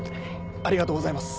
ありがとうございます。